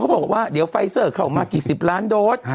เขาพูดว่าเดี๋ยวไฟซอร์เข้าออกมา๑๙ล้านโดด